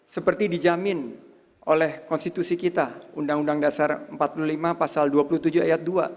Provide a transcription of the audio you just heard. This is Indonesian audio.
seperti dijamin oleh konstitusi kita undang undang dasar empat puluh lima pasal dua puluh tujuh ayat dua